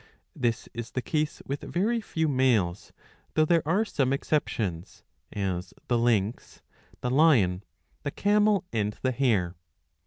This is the case with very few males, though there are some exceptions, as the lynx, the lion, the camel, and the hare.